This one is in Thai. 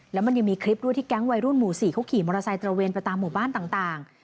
แล้วมันยังมีคลิปด้วยที่แก๊งวัยรุ่นหมู่๔เขาขี่มอเตอร์ไซค์ตระเวนไปตามหมู่บ้านต่าง